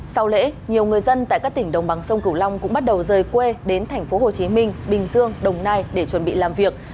sau lễ nhiều người dân tại các tỉnh đồng bằng sông cửu long cũng bắt đầu rời quê đến tp hcm bình dương đồng nai để chuẩn bị làm việc